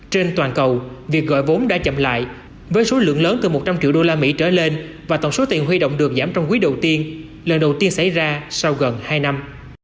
trên toàn cầu việc gọi vốn đã chậm lại với số lượng lớn từ một trăm linh triệu usd trở lên và tổng số tiền huy động được giảm trong quý đầu tiên lần đầu tiên xảy ra sau gần hai năm